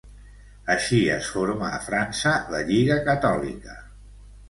Així, es forma a França la Lliga Catòlica.